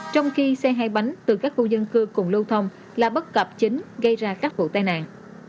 trong khi xe hay bánh từ các khu dân cư cùng lưu thông là bất cập chính gây ra các vụ tai nạn